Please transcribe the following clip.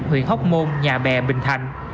huyện hóc môn nhà bè bình thạnh